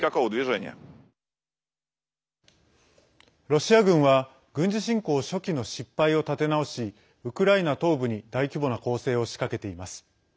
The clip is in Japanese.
ロシア軍は軍事侵攻初期の失敗を立て直しウクライナ東部に大規模な攻勢を仕掛けています。